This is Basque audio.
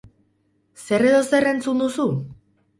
Zer edo zer entzun duzu?